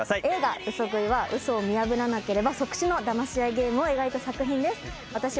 映画『嘘喰い』は嘘を見破らなければ即死のだまし合いゲームを描いた作品です。